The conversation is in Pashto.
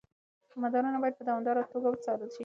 مدارونه باید په دوامداره توګه وڅارل شي.